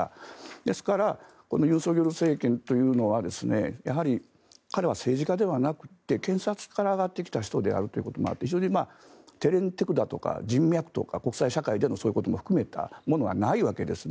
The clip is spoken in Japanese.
ですから、尹錫悦政権というのはやはり彼は政治家ではなくて検察から上がってきた人であるということもあって非常に手練手管とか人脈とか国際社会でのそういうことを含めたものがないわけですね。